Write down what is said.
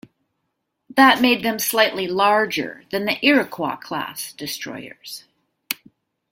That made them slightly larger than the "Iroquois"-class destroyers.